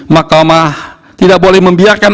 mahkamah tidak boleh membiarkan